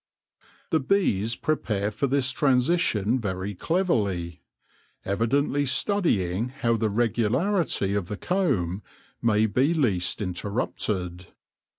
The bees prepare for this transition very cleverly, evidently studying how the regularity of the comb may be least interrupted.